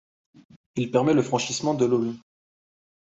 Il permet le franchissement de l'Aulne.